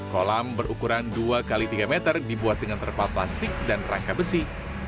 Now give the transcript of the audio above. kolam berukuran dua x tiga meter dibuat dengan terpal plastik dan rangka besi